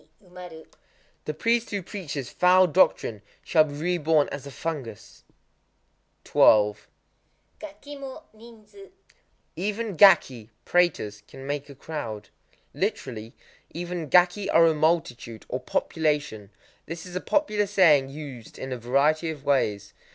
_ The priest who preaches foul doctrine shall be reborn as a fungus. 12.—Gaki mo ninzu. Even gaki (prêtas) can make a crowd. Literally: "Even gaki are a multitude (or, 'population')." This is a popular saying used in a variety of ways.